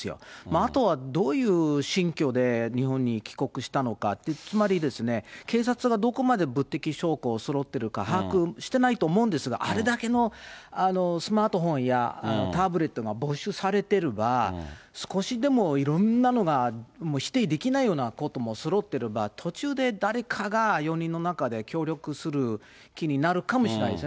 あとはどういう心境で日本に帰国したのか、つまり、警察がどこまで物的証拠そろってるか、把握してないと思うんですが、あれだけのスマートフォンやタブレットが没収されてれば、少しでもいろんなのが否定できないようなこともそろってれば、途中で誰かが、４人の中で協力する気になるかもしれないですね。